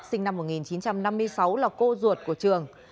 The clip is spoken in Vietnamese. sinh năm một nghìn chín trăm năm mươi sáu là cô ruột của trường